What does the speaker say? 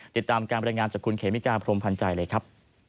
ติดตามการบรรยายงานจากคุณเขมิกาพรมพันธ์ใจเลยครับ